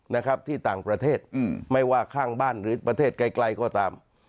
นะครับที่ต่างประเทศอืมไม่ว่าข้างบ้านหรือประเทศไกลไกลก็ตาม